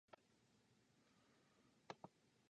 Nobody wanted to deal with him, so he had few friends.